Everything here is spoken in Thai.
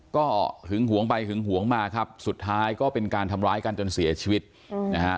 ก็หึงหวงไปหึงหวงมาครับสุดท้ายก็เป็นการทำร้ายกันจนเสียชีวิตนะฮะ